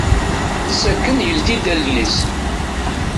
Sakken yeldi-d allen-is.